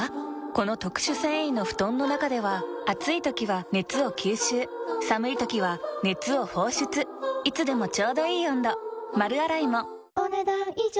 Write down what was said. この特殊繊維の布団の中では暑い時は熱を吸収寒い時は熱を放出いつでもちょうどいい温度丸洗いもお、ねだん以上。